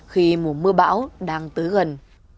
khi mùa mưa bão đang tới gần